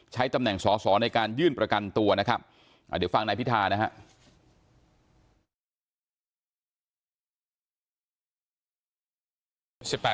ใช้ตำแหน่งศศในการยื่นประกันตัวหน่ะครับมาดีไม่ฟังในพิธานะครับ